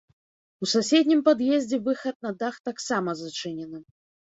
У суседнім пад'ездзе выхад на дах таксама зачынены.